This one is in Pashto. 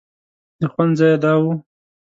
د خوند ځای یې دا و.